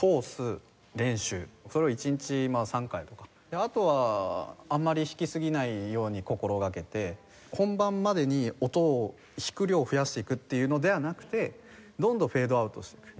であとはあんまり弾きすぎないように心掛けて本番までに音を弾く量を増やしていくっていうのではなくてどんどんフェードアウトしていく。